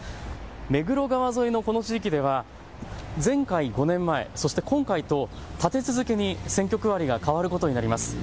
目黒川沿いのこの地域では前回５年前、そして今回と立て続けに選挙区割りが変わることになります。